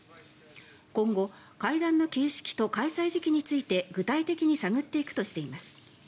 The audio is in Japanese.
今後、会談の形式と開催時期について具体的に探っていくとしています。